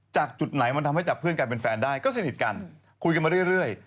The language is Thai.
จุดไหนมันทำให้จับเพื่อนกันเป็นแฟนได้ก็สนิทกันคุยกันมาเรื่อย